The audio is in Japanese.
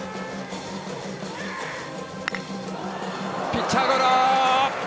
ピッチャーゴロ。